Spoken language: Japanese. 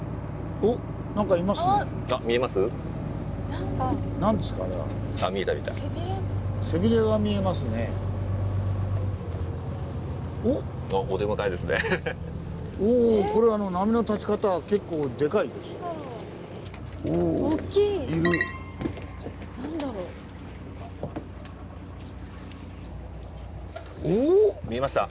おお⁉見えました？